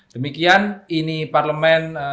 demikian ini parlemen